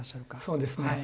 そうですね。